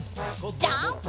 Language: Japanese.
ジャンプ！